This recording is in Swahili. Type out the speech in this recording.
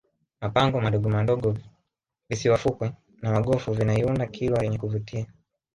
mapango madogomadogo visiwa fukwe na magofu vinaiunda kilwa yenye kuvutia